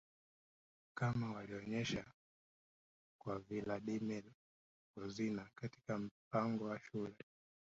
kama walionyesha kwa Vladimir Pozner katika mpango wa Shule